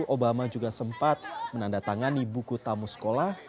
obama juga sempat menandatangani buku tamu sekolah